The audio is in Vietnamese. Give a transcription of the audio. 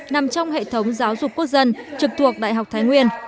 nằm trong hệ thống giáo dục quốc dân trực thuộc đại học thái nguyên